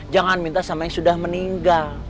jangan minta sama yang sudah meninggal